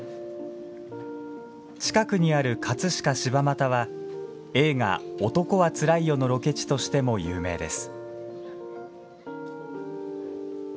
近くにある葛飾・柴又は映画「男はつらいよ」のロケ地としても有名です。